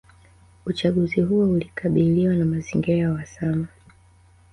Uchaguzi huo ulikabiliwa na mazingira ya uhasama